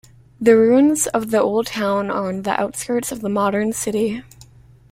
The ruins of the old town are on the outskirts of the modern city.